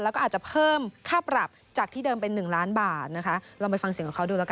แล้วก็อาจจะเพิ่มค่าปรับจากที่เดิมเป็น๑ล้านบาทนะคะ